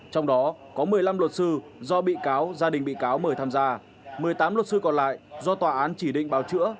trong đó có một mươi năm luật sư do bị cáo gia đình bị cáo mời tham gia một mươi tám luật sư còn lại do tòa án chỉ định bào chữa